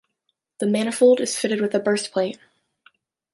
The manifold is fitted with a burst plate.